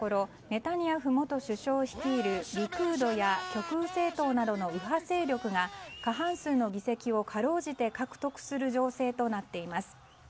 ネタニヤフ元首相率いるリクードや極右政党などの右派勢力が過半数の議席をかろうじて獲得する情勢となっています。